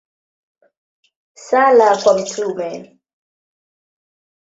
Sala kwa Mt.